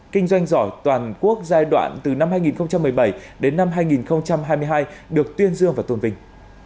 kinh doanh giỏi toàn quốc giai đoạn từ năm hai nghìn một mươi bảy đến năm hai nghìn hai mươi hai được tuyên dương và tôn vinh